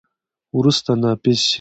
وروسته، نافذ شي.